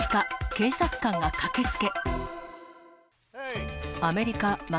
警察官が駆けつけ。